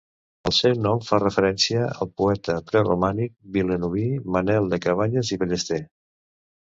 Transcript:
El seu nom fa referència al poeta preromàntic vilanoví Manuel de Cabanyes i Ballester.